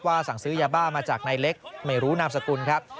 สั่งซื้อยาบ้ามาจากนายเล็กไม่รู้นามสกุลครับ